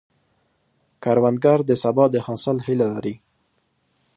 کروندګر د سبا د حاصل هیله لري